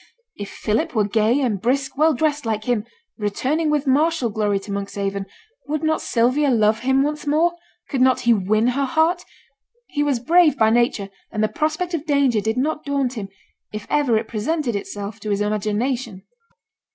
If Philip were gay, and brisk, well dressed like him, returning with martial glory to Monkshaven, would not Sylvia love him once more? Could not he win her heart? He was brave by nature, and the prospect of danger did not daunt him, if ever it presented itself to his imagination.